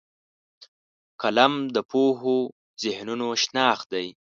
قلم د پوهو ذهنونو شناخت دی